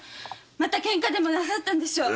またケンカでもなさったのでしょう。